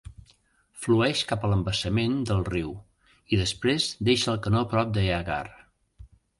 Flueix cap a l'embassament del riu i després deixa el canó prop d'Eagar.